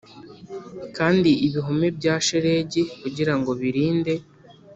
kandi ibihome bya shelegi kugirango birinde.